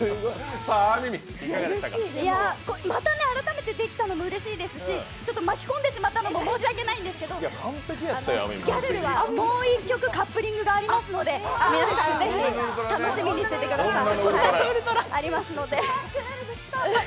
また改めてできたのもうれしいですし、ちょっと巻き込んでしまったの申し訳ないんですけどギャルルはもう１曲カップリングがありますので、皆さんぜひ、楽しみにしててください。